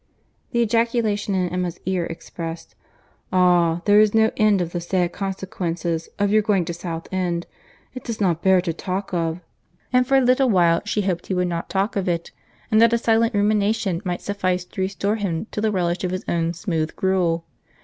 —The ejaculation in Emma's ear expressed, "Ah! there is no end of the sad consequences of your going to South End. It does not bear talking of." And for a little while she hoped he would not talk of it, and that a silent rumination might suffice to restore him to the relish of his own smooth gruel.